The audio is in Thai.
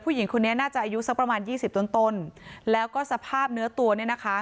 ผู้หญิงคนนี้น่าจะอายุสักประมาณยี่สิบต้นต้นแล้วก็สภาพเนื้อตัวเนี่ยนะคะ